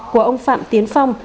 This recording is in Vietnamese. của ông phạm tiến phong